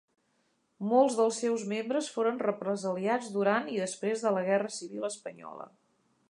Molts dels seus membres foren represaliats durant i després de la Guerra Civil espanyola.